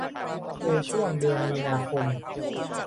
โดยช่วงเดือนมีนาคม